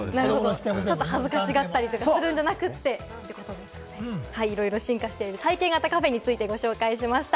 恥ずかしがったりするんじゃなくて、いろいろ進化している体験型カフェについてご紹介しました。